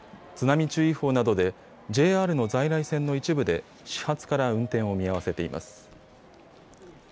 津波注意報などでＪＲの在来線の一部で始発から運転を見合わせています。